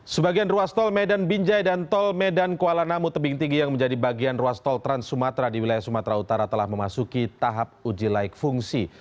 sebagian ruas tol medan binjai dan tol medan kuala namu tebing tinggi yang menjadi bagian ruas tol trans sumatera di wilayah sumatera utara telah memasuki tahap uji laik fungsi